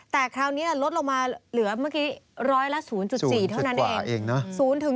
แต่คราวนี้ลดลงมาเหลือร้อยละศูนย์๔เท่านั้นเอง